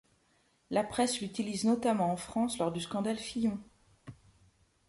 La presse l'utilise notamment en France lors du scandale Fillon.